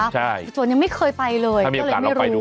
ใช่มั้ยครับส่วนยังไม่เคยไปเลยถ้ามีอาการเราไปดู